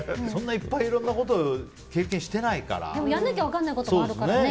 そんな、いっぱいいろんなことを経験してないから。やらなきゃ分からないこともあるからね。